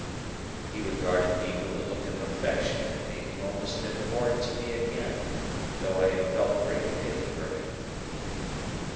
He regarded me with a look of affection that made him almost abhorrent to me again, though I had felt great pity for him.